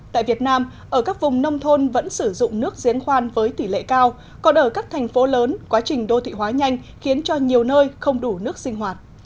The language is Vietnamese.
tại việt nam ở các vùng nông thôn vẫn sử dụng nước diễn khoan với tỷ lệ cao còn ở các thành phố lớn quá trình đô thị hóa nhanh khiến cho nhiều nơi không đủ nước sinh hoạt